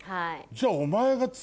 じゃあ。